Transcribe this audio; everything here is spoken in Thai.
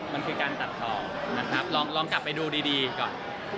มันคือการตัดต่อนะครับลองกลับไปดูดีก่อน